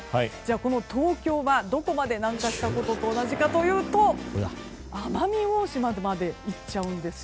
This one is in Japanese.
この東京は、どこまで南下したことと同じかというと奄美大島まで行っちゃうんです。